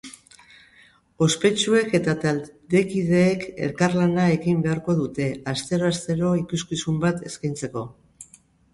Ospetsuek eta taldekideek elkarlana egin beharko dute, astero-astero ikuskizun bat eskaintzeko.